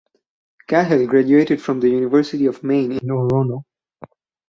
Cahill graduated from the University of Maine in Orono.